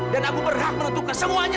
dan aku berhak menentukan semuanya